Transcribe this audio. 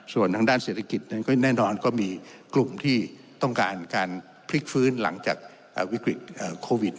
ส่วนทางด้านเศรษฐกิจนั้นก็แน่นอนก็มีกลุ่มที่ต้องการการพลิกฟื้นหลังจากวิกฤตโควิด